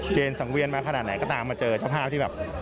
สังเวียนมาขนาดไหนก็ตามมาเจอเจ้าภาพที่แบบ